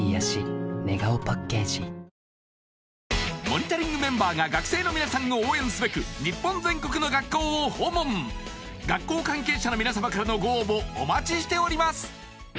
モニタリングメンバーが学生の皆さんを応援すべく日本全国の学校を訪問学校関係者の皆様からのご応募お待ちしております